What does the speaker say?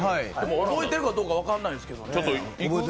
覚えているかどうか分からないですけどねぇ。